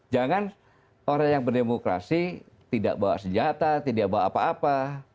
jangan orang yang berdemokrasi tidak bawa senjata tidak bawa apa apa